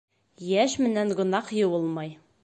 Йәш менән гонаһ йыуылмай.